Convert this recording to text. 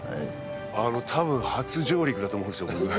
多分初上陸だと思うんですよね